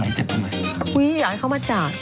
ไม่ใช่พี่พีช